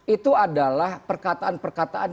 itu adalah perkataan perkataan